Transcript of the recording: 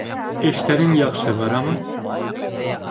Эштәрең яҡшы барамы?